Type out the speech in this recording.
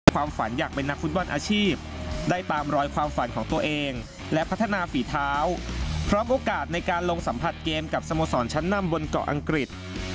ความฝันอยากเป็นนักฟุตบอลอาชีพได้ตามรอยความฝันของตัวเองและพัฒนาฝีเท้าพร้อมโอกาสในการลงสัมผัสเกมกับสโมสรชั้นนำบนเกาะอังกฤษ